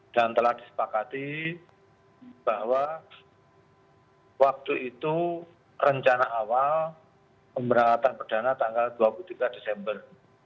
dan telah disepakati bahwa waktu itu rencana awal pemberantasan perdana tanggal dua puluh tiga desember